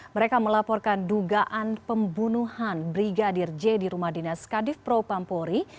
mereka melaporkan dugaan pembunuhan brigadir j di rumah dinas kadif propampori